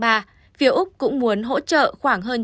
phía úc cũng muốn hỗ trợ khoảng hơn